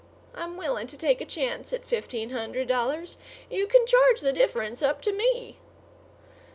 I'm willing to take a chance at fifteen hundred dollars. You can charge the difference up to me."